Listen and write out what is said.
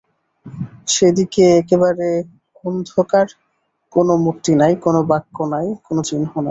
সে দিকে একেবারে অন্ধকার–কোনো মূর্তি নাই, কোনো বাক্য নাই, কোনো চিহ্ন নাই।